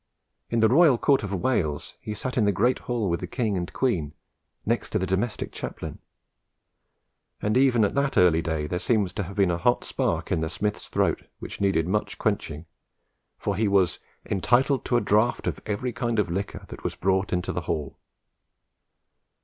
In the royal court of Wales he sat in the great hall with the king and queen, next to the domestic chaplain; and even at that early day there seems to have been a hot spark in the smith's throat which needed much quenching; for he was "entitled to a draught of every kind of liquor that was brought into the hall."